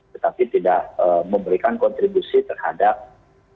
tetapi tidak memberikan kontribusi terhadap industri industri